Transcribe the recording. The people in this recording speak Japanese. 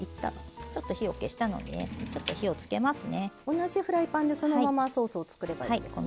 同じフライパンでそのままソースを作ればいいんですね。